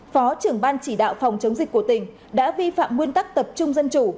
phó trưởng ban chỉ đạo phòng chống dịch của tỉnh đã vi phạm nguyên tắc tập trung dân chủ